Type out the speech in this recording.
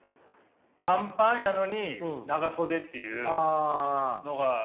短パンやのに長袖っていうのがいいよね。